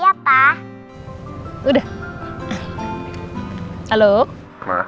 jadi mama udah tau soal ini